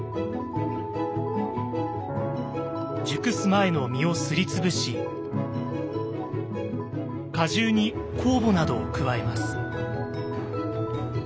熟す前の実をすり潰し果汁に酵母などを加えます。